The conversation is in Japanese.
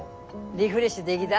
リフレッシュでぎた？